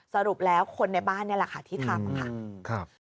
สรุปแล้วคนในบ้านนี่แหละค่ะที่ทำค่ะ